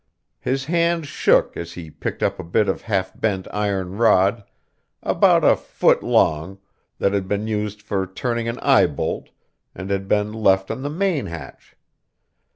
His hand shook as he picked up a bit of half bent iron rod, about a foot long, that had been used for turning an eye bolt, and had been left on the main hatch.